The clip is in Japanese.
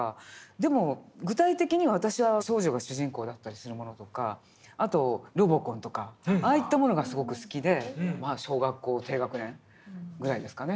でも具体的に私は少女が主人公だったりするものとかあと「ロボコン」とかああいったものがすごく好きで小学校低学年ぐらいですかね。